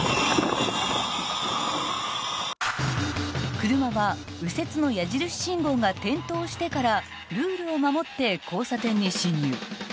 ［車は右折の矢印信号が点灯してからルールを守って交差点に進入］